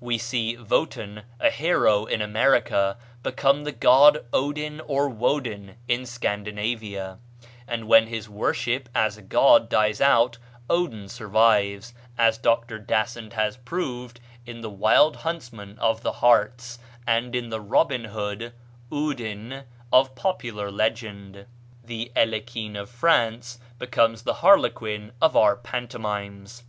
We see Votan, a hero in America, become the god Odin or Woden in Scandinavia; and when his worship as a god dies out Odin survives (as Dr. Dasent has proved) in the Wild Huntsman of the Hartz, and in the Robin Hood (Oodin) of popular legend. The Hellequin of France becomes the Harlequin of our pantomimes.